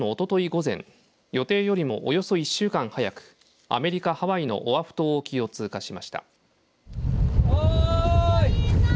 午前、予定よりもおよそ１週間早くアメリカ・ハワイのオアフ島沖を通過しました。